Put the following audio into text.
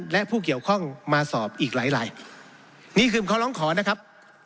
และผู้เกี่ยวข้องมาสอบอีกหลายนี่คือข้อร้องขอนะครับ